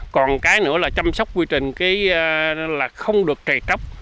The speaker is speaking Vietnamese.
còn cái nữa là chăm sóc quy trình là không được trẻ tróc